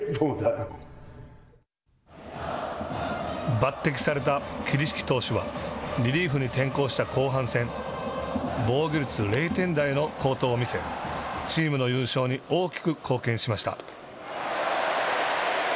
抜てきされた桐敷投手はリリーフに転向した後半戦防御率０点台の好投を見せチームの優勝に大きく貢献しました。